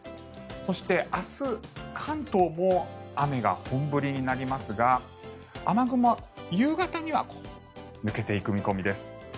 そして、明日関東も雨が本降りになりますが雨雲は夕方には抜けていく見込みです。